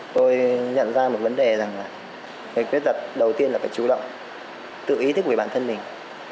tôi nhận ra một vấn đề là cái quyết đặt đầu tiên là phải chú động tự ý thức về bản thân mình